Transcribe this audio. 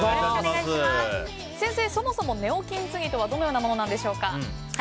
先生、そもそもネオ金継ぎとはどのようなものでしょうか。